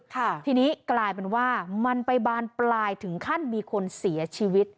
ค่ะทีนี้กลายเป็นว่ามันไปบานปลายถึงขั้นมีคนเสียชีวิต